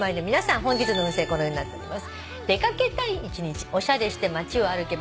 本日はこのようになっております。